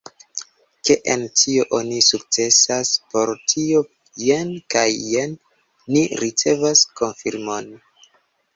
Ke en tio ni sukcesas, por tio jen kaj jen ni ricevas konfirmon.